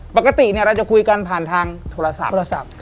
ปกติเราจะคุยกันผ่านทางโทรศัพท์